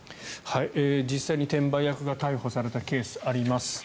実際に転売役が逮捕されたケース、あります。